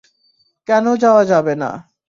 কেন যাওয়া যাবে না?